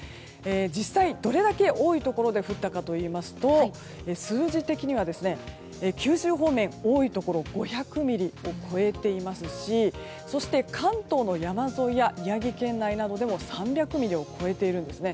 実際、どれだけ多いところで降ったかといいますと数字的には、九州方面多いところは５００ミリを超えていますしそして、関東の山沿いや宮城県内などでも３００ミリを超えているんですね。